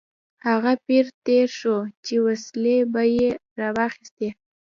هغه پیر تېر شو چې وسلې به یې راواخیستې.